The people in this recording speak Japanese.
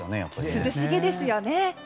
涼しげですよね。